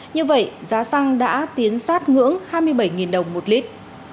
như vậy giá xăng đã tiến sát ngưỡng hai mươi bảy đồng một lít